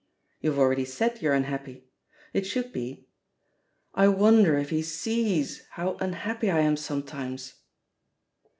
You've already said you're un happy. It should be 'I wonder if he sees how unhappy I am sometimes.'